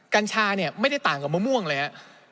กัญชาไม่ได้ต่างกับมะม่วงเลย